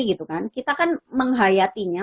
gitu kan kita kan menghayatinya